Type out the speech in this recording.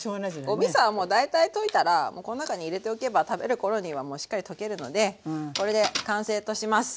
おみそはもう大体溶いたらもうこの中に入れておけば食べる頃にはもうしっかり溶けるのでこれで完成とします。